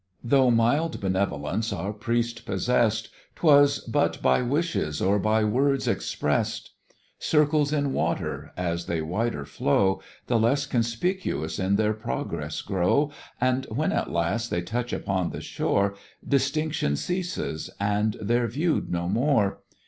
Though mild benevolence our Priest possess'd, 'Twas but by wishes or by words expressed. Circles in water, as they wider flow, The less conspicuous in their progress grow, And when at last they touch upon the shore, Distinction ceases, and they're view'd no more.